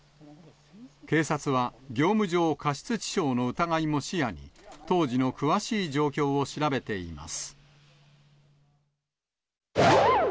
警察は業務上過失致傷の疑いも視野に、当時の詳しい状況を調べています。